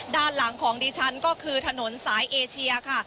ด้านหลังของดิฉันก็คือถนนสายเอเชียค่ะ